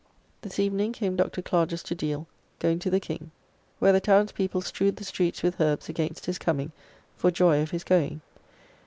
This evening came Dr. Clarges to Deal, going to the King; where the towns people strewed the streets with herbes against his coming, for joy of his going.